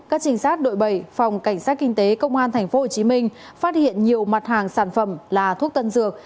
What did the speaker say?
các trinh sát đội bảy phòng cảnh sát kinh tế công an tp hcm phát hiện nhiều mặt hàng sản phẩm là thuốc tân dược